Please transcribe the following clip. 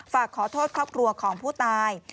ฝากขอโทษครอบครัวของผู้ตาย